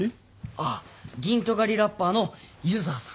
あっギン尖りラッパーの柚子葉さん。